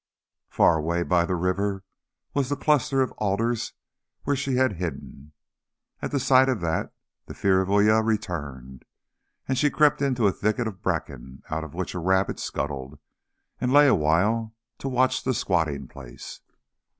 Far away by the river was the cluster of alders where she had hidden. And at the sight of that the fear of Uya returned, and she crept into a thicket of bracken, out of which a rabbit scuttled, and lay awhile to watch the squatting place.